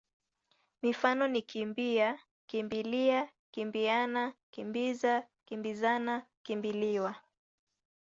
Mifano ni kimbi-a, kimbi-lia, kimbili-ana, kimbi-za, kimbi-zana, kimbi-liwa.